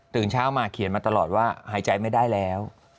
เช้ามาเขียนมาตลอดว่าหายใจไม่ได้แล้ว